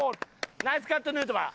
ナイスカットヌートバー！